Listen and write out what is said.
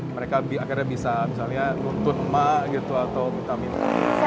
mereka akhirnya bisa misalnya nuntun emak gitu atau minta minta